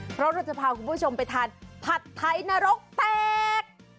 เพราะเราจะพาคุณผู้ชมไปทานผัดไทยนรกแตก